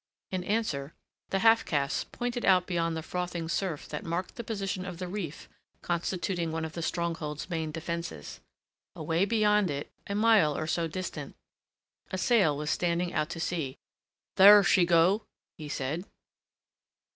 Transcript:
In answer the half caste pointed out beyond the frothing surf that marked the position of the reef constituting one of the stronghold's main defences. Away beyond it, a mile or so distant, a sail was standing out to sea. "There she go," he said.